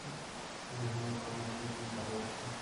রেহান আপনাকে খুব ভালোবাসে।